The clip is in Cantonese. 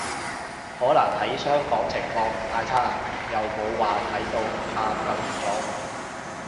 可能喺香港情況唔太差，又冇話睇到喊咁嚴重